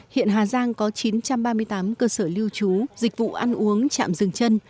hiện hà giang có chín trăm ba mươi tám cơ sở lưu trú dịch vụ ăn uống chạm rừng chân